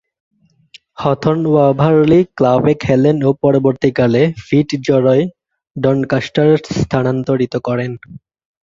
Hawthorn-Waverley ক্লাবে খেলেন ও পরবর্তীকালে ফিটজরয়-ডনকাস্টারে স্থানান্তরিত হন।